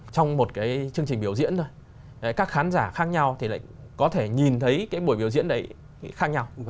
trong một cái chương trình biểu diễn thôi các khán giả khác nhau thì lại có thể nhìn thấy cái buổi biểu diễn đấy khác nhau